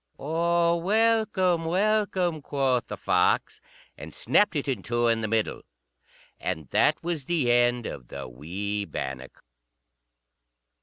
"O welcome, welcome," quoth the fox, and snapped it in two in the middle. And that was the end of the wee bannock.